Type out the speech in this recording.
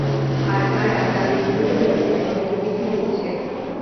আর তারা তাদের নৌবলও ক্রমাগত বৃদ্ধি করছে।